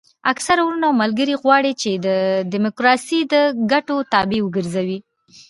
اکثره وروڼه او ملګري غواړي چې ډیموکراسي د ګټو تابع وګرځوي.